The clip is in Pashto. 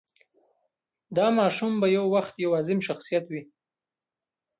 دا ماشوم به یو وخت یو عظیم شخصیت وي.